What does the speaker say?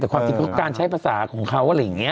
แต่ความจริงเขาการใช้ภาษาของเขาอะไรอย่างนี้